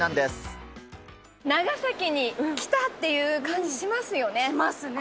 長崎に来たっていう感じしましますね。